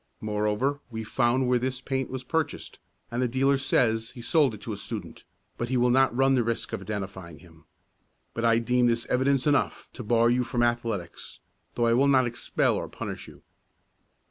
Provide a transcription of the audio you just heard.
Moreover we found where this paint was purchased, and the dealer says he sold it to a student, but he will not run the risk of identifying him. But I deem this evidence enough to bar you from athletics, though I will not expel or punish you."